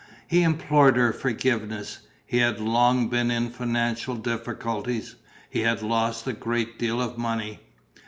He implored her forgiveness. He had long been in financial difficulties. He had lost a great deal of money.